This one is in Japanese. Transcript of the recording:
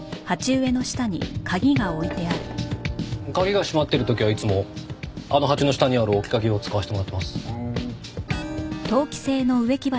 鍵が閉まってる時はいつもあの鉢の下にある置き鍵を使わせてもらってます。